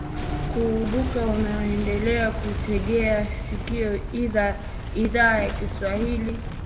kumbuka unaendelea kuitegea sikio idhaa ya kiswahili